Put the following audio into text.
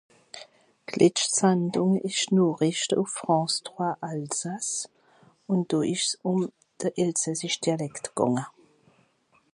d'letscht Sandùng esch d'Noorìcht ùff France trois Alsace ùn dò esch's ùm de elsassich Dialect gànge